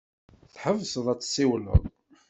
Tḥebseḍ ad tessiwleḍ.